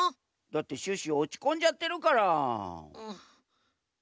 だってシュッシュおちこんじゃってるから。